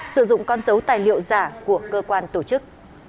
sử dụng con dấu tài liệu giả của cơ quan tổ chức